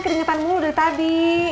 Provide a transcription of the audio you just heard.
keringetan mulu dari tadi